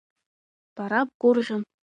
Бара бгәырӷьон…